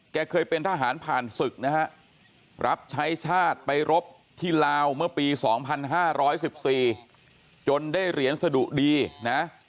แกเคยเป็นทหารผ่านศึกนะฮะรับใช้ชาติไปรบที่ลาวเมื่อปี๒๕๑๔จนได้เหรียญสะดุดีนะ